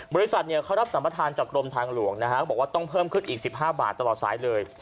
บริษัทเนี่ยเขารับสัมภัทรจากกรมทางหลวงนะฮะบอกว่าต้องเพิ่มขึ้นอีกสิบห้าบาทตลอดสายเลย